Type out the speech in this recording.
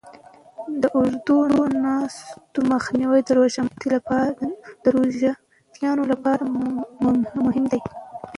د اوږدو ناستو مخنیوی د روژهتیانو لپاره مهم دی.